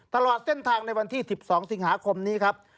ตลอดเส้นทางในวันที่๑๒สิงหาคมนี้ครับ